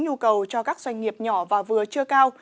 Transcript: nhu cầu cho các doanh nghiệp nhỏ và vừa chưa cao